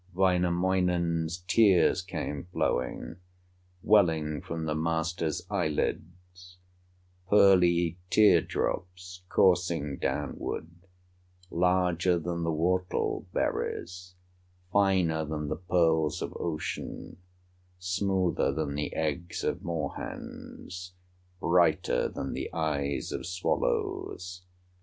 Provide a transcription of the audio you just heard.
Wainamoinen's tears came flowing, Welling from the master's eyelids, Pearly tear drops coursing downward, Larger than the whortle berries, Finer than the pearls of ocean, Smoother than the eggs of moor hens, Brighter than the eyes of swallows.